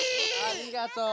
ありがとう。